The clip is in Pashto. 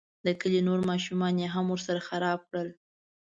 د کلي نور ماشومان یې هم ورسره خراب کړل.